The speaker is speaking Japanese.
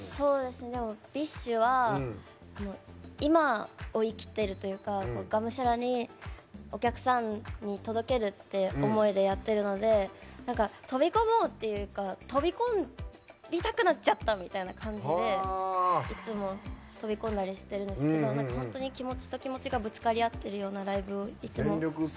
ＢｉＳＨは今を生きているというかがむしゃらにお客さんに届けるって思いでやっているので飛び込もうっていうか飛び込みたくなっちゃったみたいな感じでいつも飛び込んだりしてるんですけど本当に気持ちと気持ちがぶつかり合ってるようなライブをいつも。